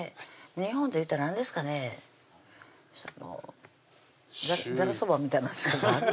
日本でいうたら何ですかねざるそばみたいなんですか？